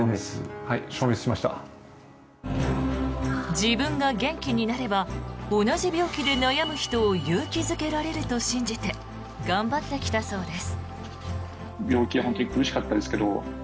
自分が元気になれば同じ病気で悩む人を勇気付けられると信じて頑張ってきたそうです。